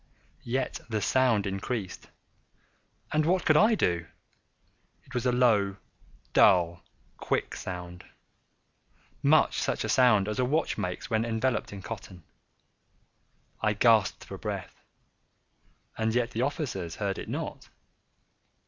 Yet the sound increased—and what could I do? It was a low, dull, quick sound—much such a sound as a watch makes when enveloped in cotton. I gasped for breath—and yet the officers heard it not.